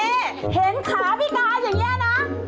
นี่แห็งค้าก็ไม่เนี่ยนะ